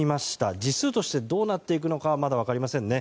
実数としてどうなっていくかはまだ分かりませんね。